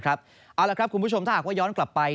เอาละครับคุณผู้ชมถ้าหากว่าย้อนกลับไป